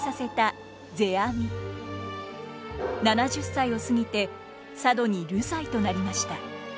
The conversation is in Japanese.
７０歳を過ぎて佐渡に流罪となりました。